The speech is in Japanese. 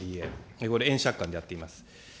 これ、円借款でやっています。